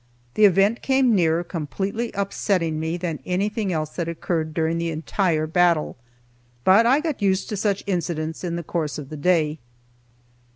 The event came nearer completely upsetting me than anything else that occurred during the entire battle but I got used to such incidents in the course of the day.